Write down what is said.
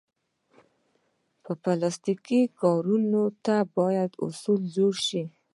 پلاستيکي کارونې ته باید اصول جوړ شي.